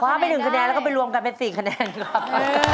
ไป๑คะแนนแล้วก็ไปรวมกันเป็น๔คะแนนครับ